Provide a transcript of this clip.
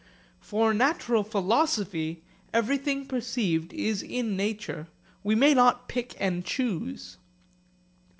For natural philosophy everything perceived is in nature. We may not pick and choose.